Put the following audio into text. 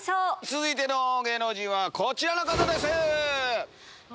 続いての芸能人はこちらの方です！